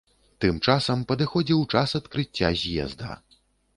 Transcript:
Тым часам падыходзіў час адкрыцця з'езда.